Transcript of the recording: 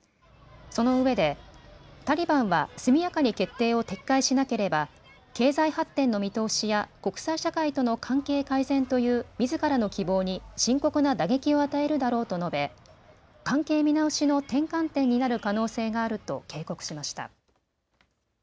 そのうえでタリバンは速やかに決定を撤回しなければ経済発展の見通しや国際社会との関係改善という、みずからの希望に深刻な打撃を与えるだろうと述べ、関係見直しの転換点になる可能性があると警告しました。